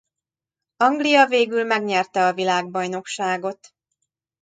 Anglia végül megnyerte a világbajnokságot.